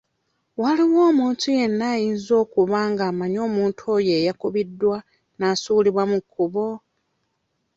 Waliwo omuntu yenna ayinza okuba ng'amanyi omuntu oyo eyakubiddwa n'asuulibwa mu kkubo?